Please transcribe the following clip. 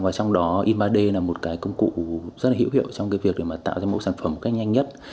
và trong đó in ba d là một cái công cụ rất là hữu hiệu trong cái việc để mà tạo ra mẫu sản phẩm một cách nhanh nhất